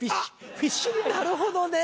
なるほどね。